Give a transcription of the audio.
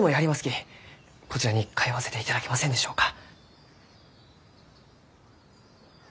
こちらに通わせていただけませんでしょうか？